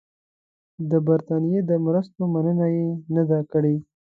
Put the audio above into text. د برټانیې د مرستو مننه یې نه ده کړې.